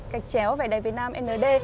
cạch chéo về đèn vnnd